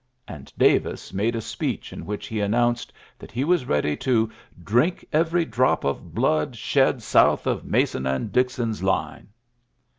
And Davis made a speech in which he announced I that he was ready to " drink every drop of blood shed south of Mason and Dixon's line.''